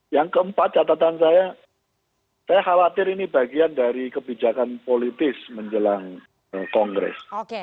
yang keempat catatan saya saya khawatir ini bagian dari kebijakan politis menjelang kongres